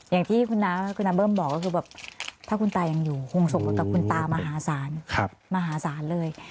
อย่างที่คุณอำเบิ้มบอกถ้าคุณตายังอยู่คงส่งกับคุณตามหาสาร